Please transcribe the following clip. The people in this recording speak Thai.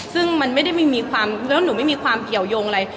ซึ่งมันไม่ได้ไม่มีความแล้วหนูไม่มีความเกี่ยวยงอะไร